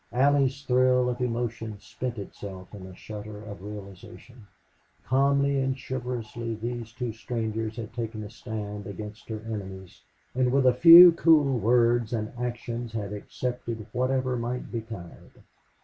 Allie's thrill of emotion spent itself in a shudder of realization. Calmly and chivalrously these two strangers had taken a stand against her enemies and with a few cool words and actions had accepted whatever might betide.